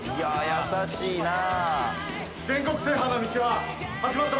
優しいなぁ。